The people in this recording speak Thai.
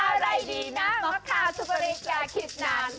อะไรดีนะมกคาสุปริกาคิดนาน